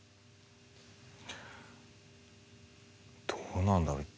どうなんだろう。